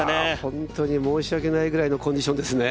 本当に申し訳ないくらいのコンディションですね。